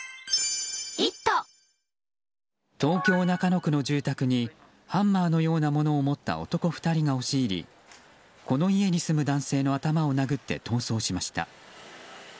東京・中野区の住宅にハンマーのようなものを持った男２人が押し入りこの家に住む男性の頭を殴って逃走しました。